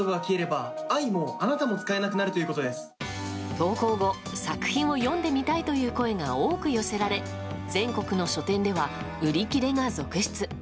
投稿後作品を読んでみたいという声が多く寄せられ、全国の書店では売り切れが続出。